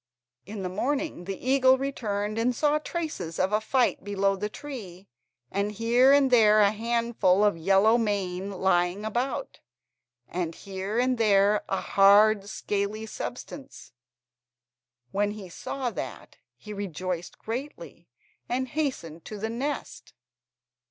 In the morning the eagle returned and saw traces of a fight below the tree, and here and there a handful of yellow mane lying about, and here and there a hard scaly substance; when he saw that he rejoiced greatly, and hastened to the nest.